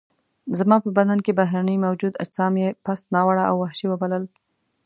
زما په بدن کې بهرني موجود اجسام یې پست، ناوړه او وحشي وبلل.